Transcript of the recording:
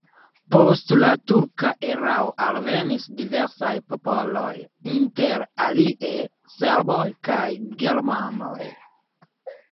Post la turka erao alvenis diversaj popoloj, inter alie serboj kaj germanoj.